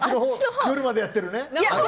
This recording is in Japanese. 夜までやってるね。